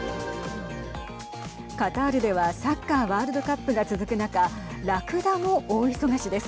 カタールではサッカーワールドカップが続く中らくだも大忙しです。